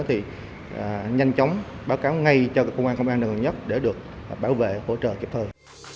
thì nhanh chóng báo cáo ngay cho công an công an đồng nhất để được bảo vệ hỗ trợ kịp thời